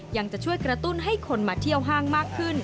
ยังจะช่วยกระตุ้นให้คนมาเที่ยวห้างมากขึ้น